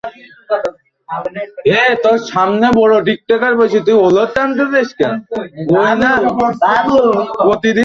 লোকজন, বাহক প্রভৃতিকে বিদায় করিয়া দিলেন।